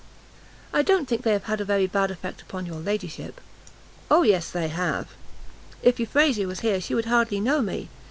"I don't think they have had a very bad effect upon your ladyship!" "O yes they have; if Euphrasia was here she would hardly know me.